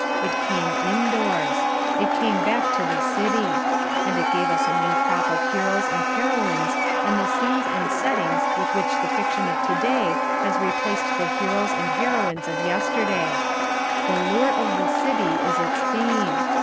It came indoors. It came back to the city. And it gave us the new crop of heroes and heroines and the scenes and settings with which the fiction of to day has replaced the Heroes and Heroines of Yesterday. The Lure of the City is its theme.